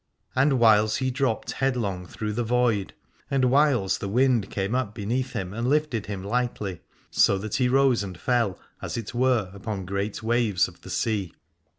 And whiles he dropped headlong through the void, and whiles the wind came up beneath him and lifted him lightly, so that he rose and fell as it were upon great waves of the sea.